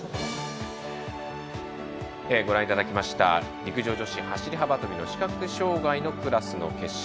ご覧いただきました陸上女子走り幅跳び視覚障がいのクラスの決勝。